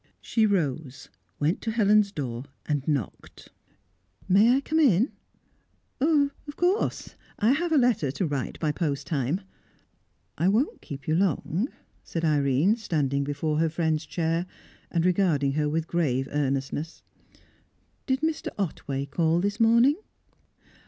She rose, went to Helen's door, and knocked. "May I come in?" "Of course I have a letter to write by post time." "I won't keep you long," said Irene, standing before her friend's chair, and regarding her with grave earnestness. "Did Mr. Otway call this morning?"